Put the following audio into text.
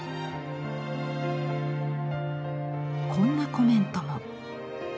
こんなコメントも。